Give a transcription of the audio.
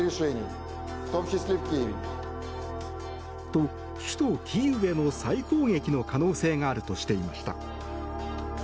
と、首都キーウへの再攻撃の可能性があるとしていました。